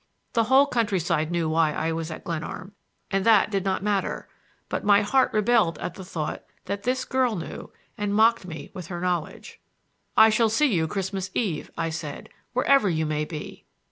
The whole countryside knew why I was at Glenarm, and that did not matter; but my heart rebelled at the thought that this girl knew and mocked me with her knowledge. "I shall see you Christmas Eve," I said, "wherever you may be."